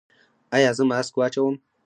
ایا زه ماسک واچوم؟